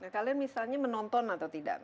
kalian misalnya menonton atau tidak